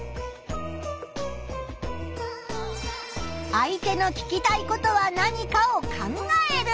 相手の聞きたいことは何かを考える。